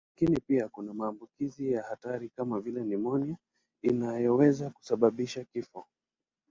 Lakini pia kuna maambukizi ya hatari kama vile nimonia inayoweza kusababisha kifo.